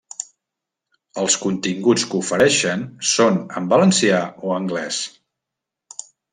Els continguts que ofereixen són en valencià o anglés.